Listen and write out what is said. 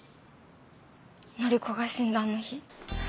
範子が死んだあの日。